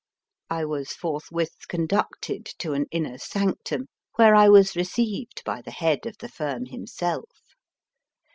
I was forthwith conducted to an inner sanctum, where I was received by the head of the firm himself.